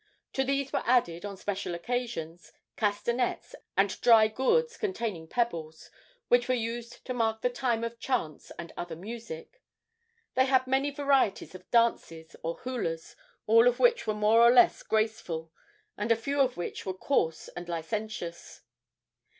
To these were added, on special occasions, castanets and dry gourds containing pebbles, which were used to mark the time of chants and other music. They had many varieties of dances, or hulas, all of which were more or less graceful, and a few of which were coarse and licentious.